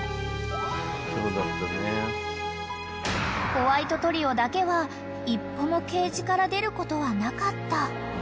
［ホワイトトリオだけは一歩もケージから出ることはなかった］